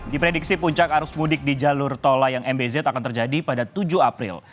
diprediksi puncak arus mudik di jalur tol layang mbz akan terjadi pada tujuh april